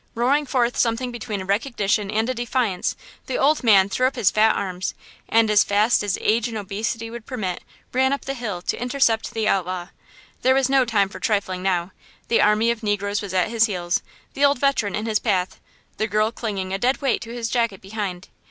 Roaring forth something between a recognition and a defiance, the old man threw up his fat arms, and as fast as age and obesity would permit, ran up the hill to intercept the outlaw. There was no time for trifling now! The army of negroes was at his heels; the old veteran in his path; the girl clinging a dead weight to his jacket behind.